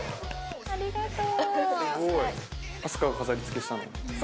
ありがとう！